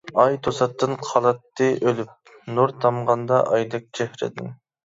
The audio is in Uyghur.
ئاي توساتتىن قالاتتى ئۆلۈپ، نۇر تامغاندا ئايدەك چېھرىدىن.